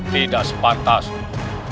tidak sepatah semuanya